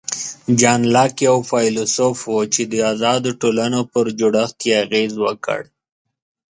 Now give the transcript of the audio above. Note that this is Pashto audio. جان لاک یو فیلسوف و چې د آزادو ټولنو پر جوړښت یې اغېز وکړ.